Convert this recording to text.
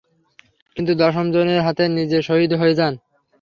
কিন্তু দশম জনের হাতে নিজে শহীদ হয়ে যান।